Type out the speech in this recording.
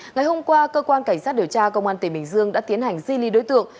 ngày hôm qua cơ quan cảnh sát điều tra công an tỉnh bình dương đã tiến hành di lý đối tượng